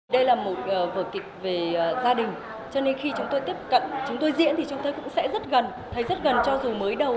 đây là một vở kịch về gia đình cho nên khi chúng tôi tiếp cận chúng tôi diễn thì chúng tôi cũng sẽ rất gần thấy rất gần cho dù mới đầu